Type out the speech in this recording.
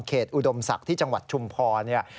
อุดมศักดิ์ที่จังหวัดชุมพรเนี่ย